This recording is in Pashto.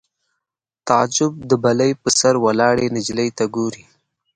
تعجب د بلۍ په سر ولاړې نجلۍ ته ګوري